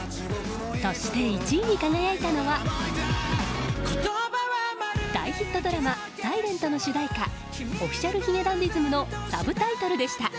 そして、１位に輝いたのは大ヒットドラマ「ｓｉｌｅｎｔ」の主題歌Ｏｆｆｉｃｉａｌ髭男ｄｉｓｍの「Ｓｕｂｔｉｔｌｅ」でした。